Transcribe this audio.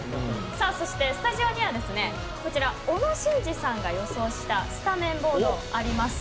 そしてスタジオにはですねこちら小野伸二さんが予想したスタメンボードあります。